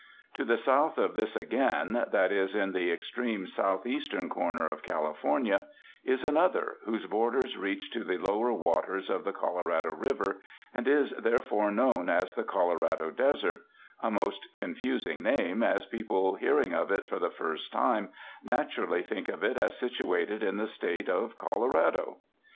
To the south of this again, that is in the extreme southeastern corner of California, is another whose borders reach to the lower waters of the Colorado Eiver, and is, therefore, known as the Colorado Desert— a most confusing name, as people hearing of it for the first time naturally think of it as situated in the State of Colorado.